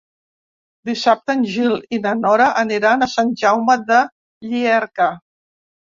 Dissabte en Gil i na Nora aniran a Sant Jaume de Llierca.